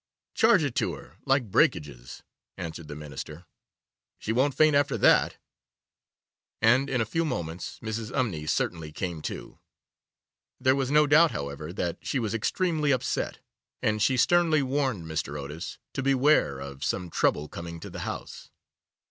'Charge it to her like breakages,' answered the Minister; 'she won't faint after that'; and in a few moments Mrs. Umney certainly came to. There was no doubt, however, that she was extremely upset, and she sternly warned Mr. Otis to beware of some trouble coming to the house.